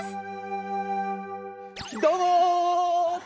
どうも！